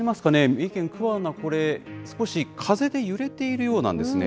三重県桑名、少し風で揺れているようなんですね。